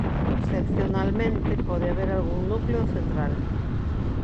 Excepcionalmente pode haber algún núcleo central.